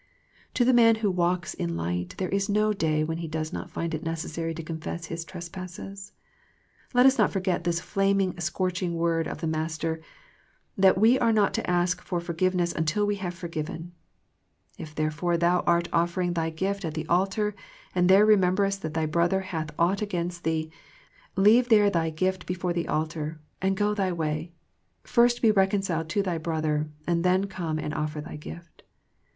To the man who walks in light there is no day when he does not find it necessary to confess his trespasses. Let us not forget this flaming scorching word of the Master, that we are not to ask for forgiveness until we have forgiven. " If therefore thou art offering thy gift at the altar, and there remem berest that thy brother hath aught against thee, leave there thy gift before the altar, and go thy way, first be reconciled to thy brother and then come and offer thy gift."